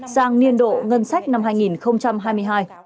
sang niên độ ngân sách năm hai nghìn hai mươi hai